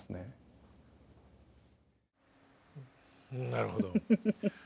なるほど。